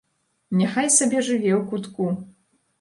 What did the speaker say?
Няхай сабе жыве ў кутку.